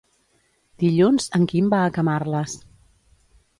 Dilluns en Quim va a Camarles.